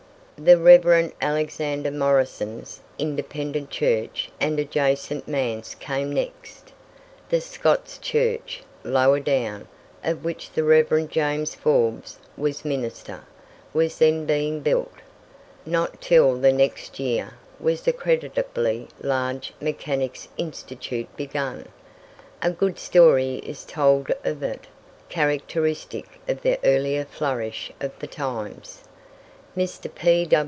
The Reverend Alexander Morison's Independent Church and adjacent manse came next. The Scots Church, lower down, of which the Reverend James Forbes was minister, was then being built. Not till the next year was the creditably large Mechanics' Institute begun. A good story is told of it, characteristic of the earlier flourish of the times. Mr.